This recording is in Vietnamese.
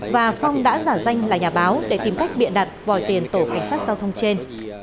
và phong đã giả danh là nhà báo để tìm cách biện đặt vòi tiền tổ cảnh sát giao thông trên